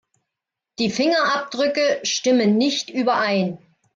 Die Fingerabdrücke stimmen nicht überein.